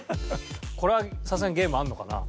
これはさすがにゲームあるのかな？